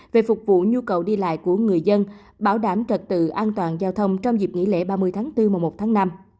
về phục vụ nhu cầu đi lại của người dân bảo đảm trật tự an toàn giao thông trong dịp nghỉ lễ ba mươi tháng bốn mùa một tháng năm